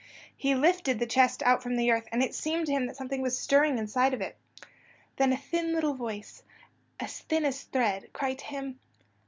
He lifted the chest out from the earth, and it seemed to him that something was stirring inside of it. Then a little thin voice, as thin as a thread, cried to him.